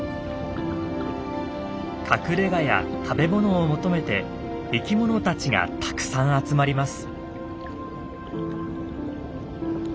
隠れがや食べものを求めて生きものたちがたくさん集まります。